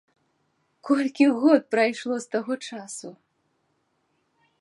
Колькі год прайшло з таго часу!